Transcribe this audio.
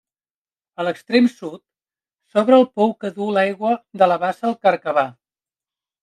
A l'extrem sud, s'obre el pou que duu l'aigua de la bassa al carcabà.